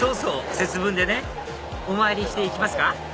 節分でねお参りしていきますか？